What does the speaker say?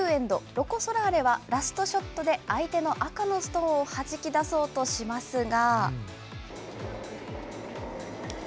ロコ・ソラーレはラストショットで相手の赤のストーンをはじき出そうとしますが。